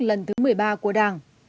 lần thứ một mươi ba của đảng